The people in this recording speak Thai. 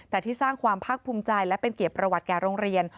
แต่ที่สร้างความภาคภูมิใจและเป็นเกียรติประวัติแก่โรงเรียน